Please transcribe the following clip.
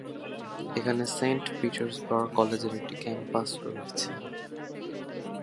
এখানে Saint Petersburg কলেজের একটি ক্যাম্পাস রয়েছে।